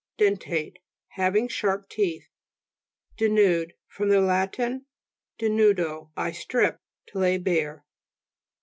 Dentate ; having sharp teeth. DENUDE fr. lat. denudo, I strip. To lay bare.